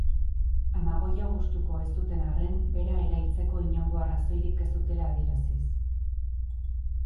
Amagoia gustuko ez zuten arren, bera erailtzeko inongo arrazoirik ez zutela adieraziz.